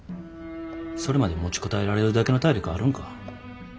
それまで持ちこたえられるだけの体力あるんか？